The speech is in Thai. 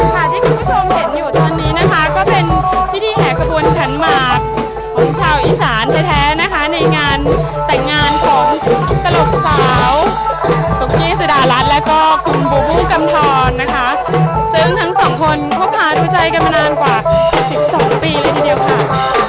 ที่คุณผู้ชมเห็นอยู่ตอนนี้นะคะก็เป็นพิธีแห่ขบวนขันหมากของชาวอีสานแท้นะคะในงานแต่งงานของตลกสาวตุ๊กกี้สุดารัฐแล้วก็คุณบูบูกำทรนะคะซึ่งทั้งสองคนคบหาดูใจกันมานานกว่า๗๒ปีเลยทีเดียวค่ะ